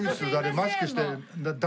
マスクして誰？